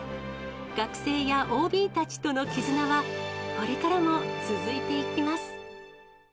学生やＯＢたちとの絆は、これからも続いていきます。